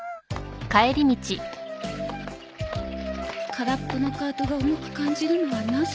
空っぽのカートが重く感じるのはなぜ？